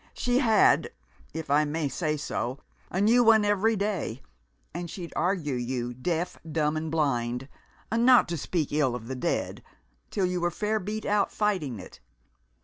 She had, if I may say so, a new one every day, and she'd argue you deaf, dumb, and blind not to speak ill of the dead till you were fair beat out fighting it.